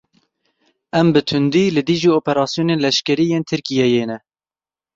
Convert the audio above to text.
Em bi tundî li dijî operasyonên leşkerî yên Tirkiyeyê ne.